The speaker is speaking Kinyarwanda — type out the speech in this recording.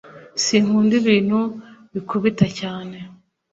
sinkunda ibintu bikubita cyane